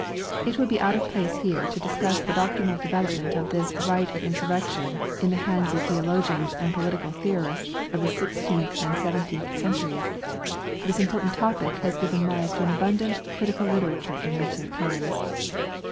It would be out of place here to discuss the doctrinal development of this right of insurrection in the hands of theologians and political theorists of the sixteenth and seventeenth centuries : this important topic has given rise to an abundant critical literature in recent times.